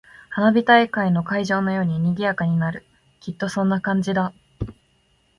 花火大会の会場のように賑やかになる。きっとそんな感じだ。